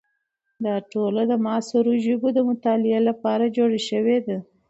دا ټولنه د معاصرو ژبو د مطالعې لپاره جوړه شوې ده.